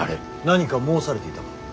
何か申されていたか。